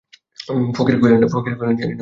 ফকির কহিলেন, জানি না বাছা।